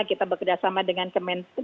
kita bekerjasama dengan kementerian